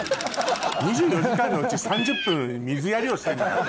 ２４時間のうち３０分水やりをしてんだからね